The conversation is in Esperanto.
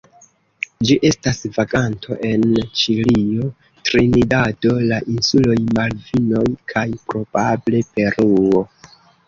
Ĝi estas vaganto en Ĉilio, Trinidado, la insuloj Malvinoj kaj probable Peruo.